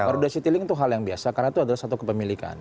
garuda citylink itu hal yang biasa karena itu adalah satu kepemilikan